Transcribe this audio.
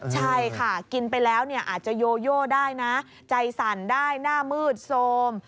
ใช่ค่ะกินไปแล้วเนี่ยอาจจะโยโย่ได้นะใจสั่นได้หน้ามืดโซม